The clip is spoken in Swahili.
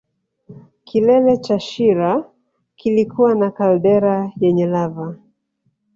Kilele cha shira kilikuwa na kaldera yenye lava